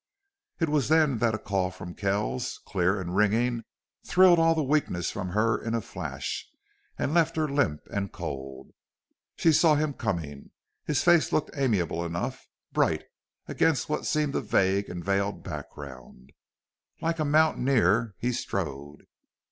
It was then that a call from Kells, clear and ringing, thrilled all the weakness from her in a flash, and left her limp and cold. She saw him coming. His face looked amiable again, bright against what seemed a vague and veiled background. Like a mountaineer he strode.